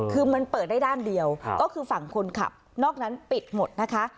คือมันเปิดได้ด้านเดียวก็คือฝั่งคนขับนอกนั้นปิดหมดนะคะ